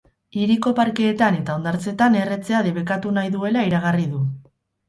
Hiriko parkeetan eta hondartzetan erretzea debekatu nahi duela iragarri du.